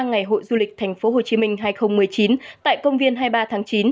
ngày hội du lịch tp hcm hai nghìn một mươi chín tại công viên hai mươi ba tháng chín